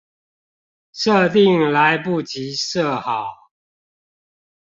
設定來不及設好